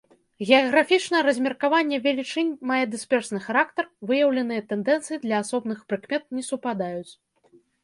Геаграфічнае размеркаванне велічынь мае дысперсны характар, выяўленыя тэндэнцыі для асобных прыкмет не супадаюць.